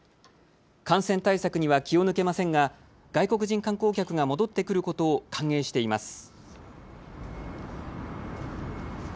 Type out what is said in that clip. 感染対策には気を抜けませんが外国人観光客が戻ってくることを歓迎しています。